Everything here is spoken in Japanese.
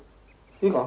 いいか？